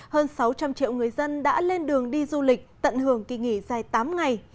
hơn sáu trăm linh triệu người dân đã lên đường đi du lịch tận hưởng kỳ nghỉ dài tám ngày